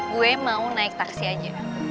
gue mau naik taksi aja